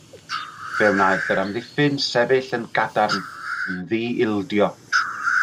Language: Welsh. Fe wnaeth yr amddiffyn sefyll yn gadarn, yn ddi-ildio.